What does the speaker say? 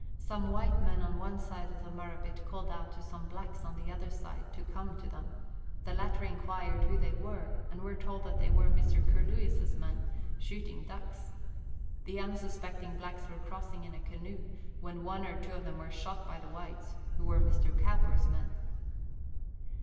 Some white men on one side of the Murrabit called out to some blacks on the other side to come to them ; the latter inquired who they were, and were told that they were Mr. Curlewis's men, shooting ducks. The unsuspecting blacks were crossing in a canoe, when one or two of them were shot by the whites, who were Mr. Cowper's men.